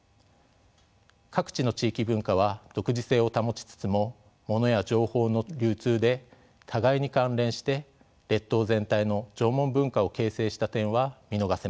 各地の地域文化は独自性を保ちつつもモノや情報の流通で互いに関連して列島全体の縄文文化を形成した点は見逃せません。